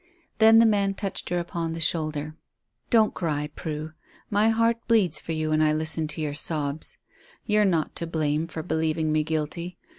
Then the man touched her upon the shoulder. "Don't cry, Prue; my heart bleeds for you when I listen to your sobs. You're not to blame for believing me guilty.